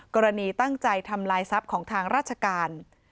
กรณีตั้งใจทำลายทรัพย์ของทางราชการ